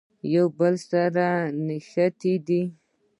یو بل سره نښتي دي.